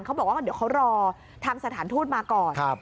เขาบอกว่าเดี๋ยวเขารอทางสถานทูตมาก่อน